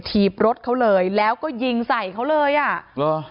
ถีบรถเขาเลยแล้วก็ยิงใส่เขาเลยอ่ะเหรอ